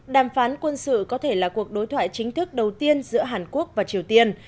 đàm phán quân sự có thể là cuộc đối thoại chính thức đầu tiên giữa hàn quốc và triều tiên